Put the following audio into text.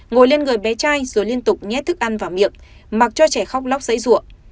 ngồi lên người bé trai rồi liên tục nhét thức ăn và miệng mặc cho trẻ khóc lóc dãy ruộng